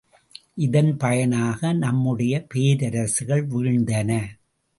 இதன் பயனாக நம்முடைய பேரரசுகள் வீழ்ந்தன.